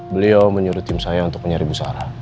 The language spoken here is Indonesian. beliau menyuruh tim saya untuk mencari bu sarah